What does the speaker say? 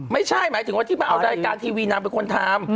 ไม่ใช่หมายถึงว่าที่มาเอารายการทีวีนางเป็นคนทำ